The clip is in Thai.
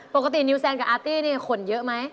ปกตินิ้วแจนและอาตี้นี่ขนเยอะไหม